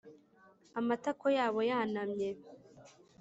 , amatako yabo yanamye,